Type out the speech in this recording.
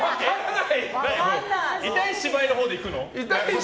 痛い芝居のほうでいくの？